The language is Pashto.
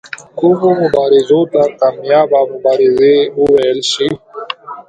کومو مبارزو ته کامیابه مبارزې وویل شي.